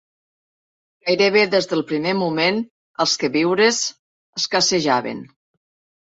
Gairebé des del primer moment els queviures escassejaven